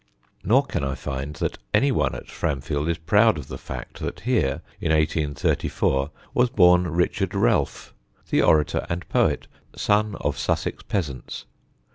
Nor can I find that any one at Framfield is proud of the fact that here, in 1834, was born Richard Realf, the orator and poet, son of Sussex peasants.